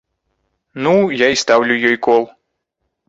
Ну, я і стаўлю ёй кол.